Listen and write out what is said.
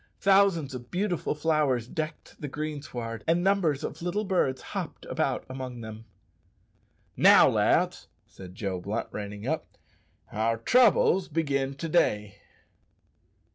Thousands of beautiful flowers decked the greensward, and numbers of little birds hopped about among them. "Now, lads," said Joe Blunt, reining up, "our troubles begin to day."